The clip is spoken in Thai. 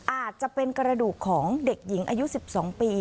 อาจจะเป็นกระดูกของเด็กหญิงอายุ๑๒ปี